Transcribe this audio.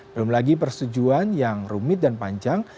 belum lagi persetujuan yang rumit dan panjang